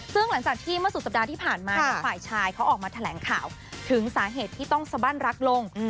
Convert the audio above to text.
ซึ่งหลังจากที่เมื่อสุดสัปดาห์ที่ผ่านมาเนี่ยฝ่ายชายเขาออกมาแถลงข่าวถึงสาเหตุที่ต้องสบั้นรักลง